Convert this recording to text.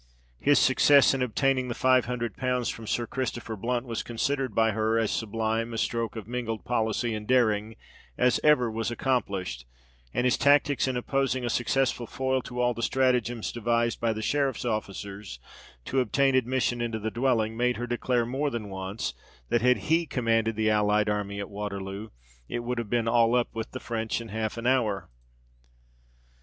His success in obtaining the five hundred pounds from Sir Christopher Blunt was considered by her as sublime a stroke of mingled policy and daring as ever was accomplished; and his tactics in opposing a successful foil to all the stratagems devised by the sheriff's officers to obtain admission into the dwelling, made her declare more than once that had he commanded the Allied Army at Waterloo, it would have been all up with the French in half an hour.